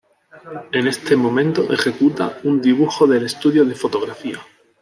En este momento ejecuta un dibujo del estudio de fotografía.